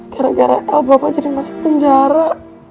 gara gara el bapak jadi masuk penjara